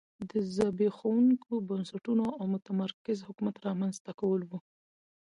د زبېښونکو بنسټونو او متمرکز حکومت رامنځته کول و